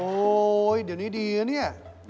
โอ๊ยเดี๋ยวนี้ดีล่ะนี่